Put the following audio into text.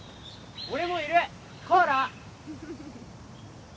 俺もいるコーラ！